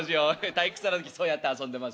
退屈な時そうやって遊んでます。